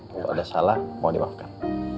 kalau ada salah mohon dimaafkan